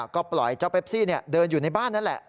ก็ปล่อยเจ้าเปปซี่เดินอยู่ในบ้านนั่นแหละ